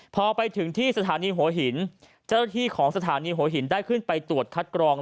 พอไปถึงที่สถานีหัวหินเจ้าหน้าที่ของสถานีหัวหินได้ขึ้นไปตรวจคัดกรอง